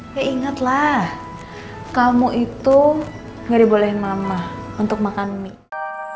ya inget lah kamu itu gak dibolehin mama untuk makan mie